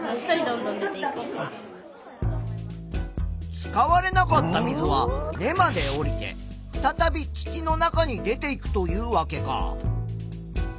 使われなかった水は根まで下りてふたたび土の中に出ていくというわけか。